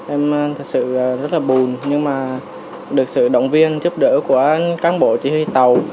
em thật sự rất là bùn nhưng mà được sự động viên giúp đỡ của cán bộ chỉ huy tàu